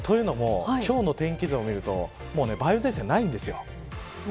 というのも今日の天気図を見るともう梅雨前線がないんです。